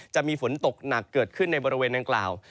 จะมีฝนตกหนักเกิดขึ้นในบริเวณดังกล่าว